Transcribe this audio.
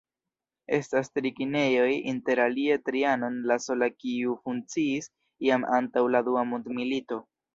Estas tri kinejoj, interalie "Trianon", la sola kiu funkciis jam antaŭ la Dua Mondmilito.